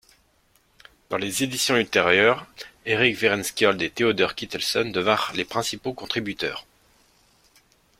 Dans les éditions ultérieures, Erik Werenskiold et Theodor Kittelsen devinrent les principaux contributeurs.